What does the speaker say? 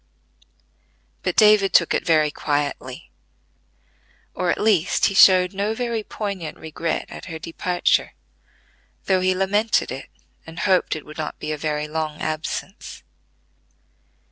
But David took it very quietly; at least, he showed no very poignant regret at her departure, though he lamented it, and hoped it would not be a very long absence.